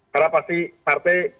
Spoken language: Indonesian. karena pasti partai